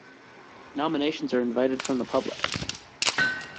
Nominations are invited from the public.